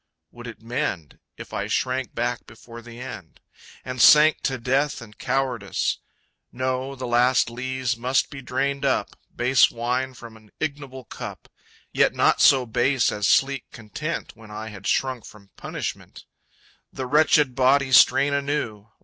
Would it mend If I shrank back before the end? And sank to death and cowardice? No, the last lees must be drained up, Base wine from an ignoble cup; (Yet not so base as sleek content When I had shrunk from punishment) The wretched body strain anew!